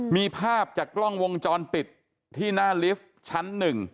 มีภาพจากกล้องวงจรปิดที่หน้าลิฟท์ชั้น๑